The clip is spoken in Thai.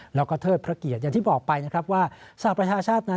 แล้วก็เทิดพระเกียรติ